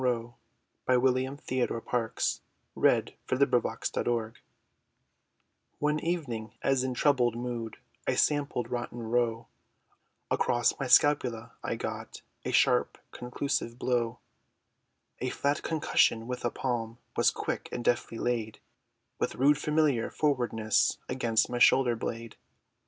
A Story TOLD BY JONES [Illustration: The Spook of Rotten Row] ONE evening, as in troubled mood, I sampled Rotten Row, Across my scapula, I got A sharp conclusive blow! A flat concussion of a palm, Was quick, and deftly laid, With rude familiar frowardness, Against my shoulder blade!